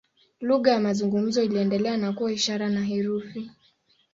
Lugha ya mazungumzo iliendelea na kuwa ishara na herufi.